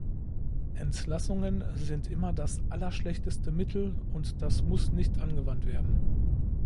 Entlassungen sind immer das allerschlechteste Mittel, und das muss nicht angewandt werden.